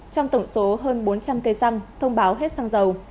trong tổng số hơn bốn trăm linh cây xăng thông báo hết xăng dầu